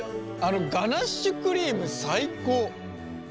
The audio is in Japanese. ガナッシュクリーム最高。